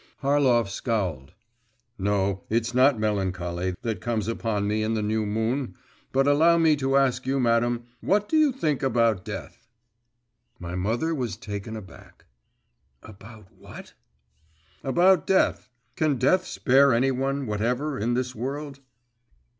Harlov scowled. 'No, it's not melancholy that comes upon me in the new moon; but allow me to ask you, madam, what do you think about death?' My mother was taken aback. 'About what?' 'About death. Can death spare any one whatever in this world?